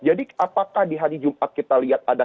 jadi apakah di hari jumat kita lihat ada kemungkinan